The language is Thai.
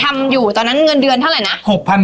ทำอยู่ตอนนั้นเงินเดือนเท่าไหร่นะ